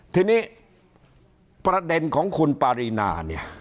ทีนี้ประเด็นของคุณปารีนา